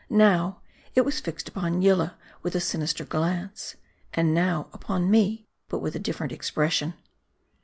Now it was fixed upon Yillah with a sinister glance, and now upon me, but with a differ ent expression.